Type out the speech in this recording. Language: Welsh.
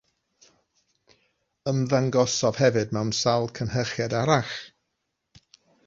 Ymddangosodd hefyd mewn sawl cynhyrchiad arall.